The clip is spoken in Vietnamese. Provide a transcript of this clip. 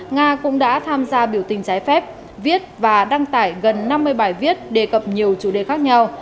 nga cũng đã tham gia biểu tình trái phép viết và đăng tải gần năm mươi bài viết đề cập nhiều chủ đề khác nhau